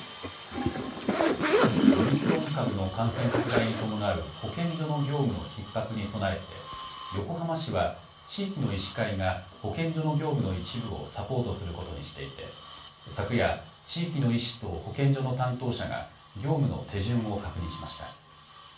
オミクロン株の感染拡大に伴う保健所の業務のひっ迫に備えて、横浜市は地域の医師会が保健所の業務の一部をサポートすることにしていて、昨夜、地域の医師と保健所の担当者が業務の手順を確認しました。